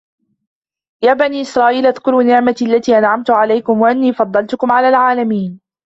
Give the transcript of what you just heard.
يا بني إسرائيل اذكروا نعمتي التي أنعمت عليكم وأني فضلتكم على العالمين